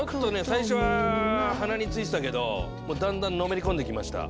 最初は鼻についてたけどだんだんのめり込んできました。